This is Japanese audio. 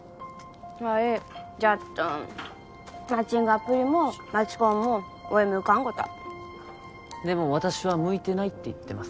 はいいじゃっどんマッチングアプリも街コンもおい向かんごたでも私は向いてないって言ってます